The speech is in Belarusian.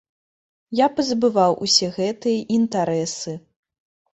Я пазабываў усе гэтыя інтарэсы.